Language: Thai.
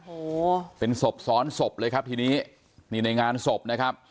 โอ้โหเป็นศพซ้อนศพเลยครับทีนี้นี่ในงานศพนะครับ